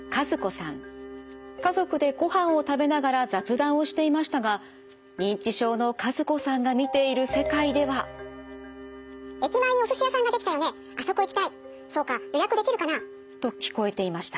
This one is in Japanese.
家族でごはんを食べながら雑談をしていましたが認知症の和子さんが見ている世界では。と聞こえていました。